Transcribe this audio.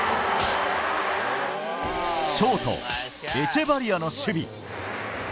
ショート、エチェバリアの守備。